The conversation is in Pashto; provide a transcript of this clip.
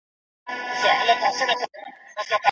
میرمنې به د حیض او نفاس په ورځو کې جلا ساتل کیدې.